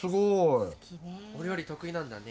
お料理得意なんだね。